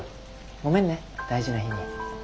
ごめんね大事な日に。